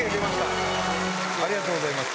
ありがとうございます。